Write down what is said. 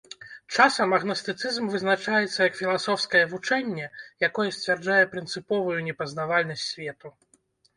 Часам агнастыцызм вызначаецца як філасофскае вучэнне, якое сцвярджае прынцыповую непазнавальнасць свету.